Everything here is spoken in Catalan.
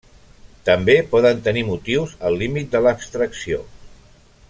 També poden tenir motius al límit de l'abstracció.